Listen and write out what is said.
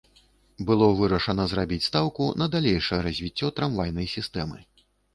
Было вырашана зрабіць стаўку на далейшае развіццё трамвайнай сістэмы.